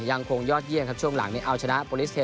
ยังคงยอดเยี่ยมครับช่วงหลังนี้